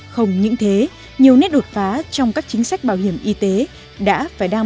không những thế nhiều nét đột phá trong các chính sách bảo hiểm y tế đã và đang